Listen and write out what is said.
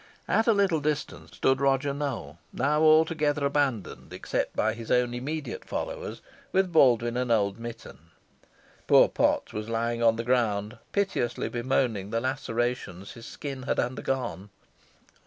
At a little distance stood Roger Nowell, now altogether abandoned, except by his own immediate followers, with Baldwyn and old Mitton. Poor Potts was lying on the ground, piteously bemoaning the lacerations his skin had undergone.